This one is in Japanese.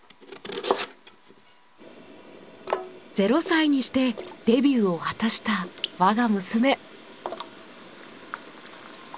０歳にしてデビューを果たした我が娘。